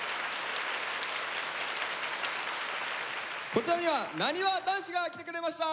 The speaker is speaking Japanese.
こちらにはなにわ男子が来てくれました。